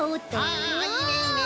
ああいいねいいね。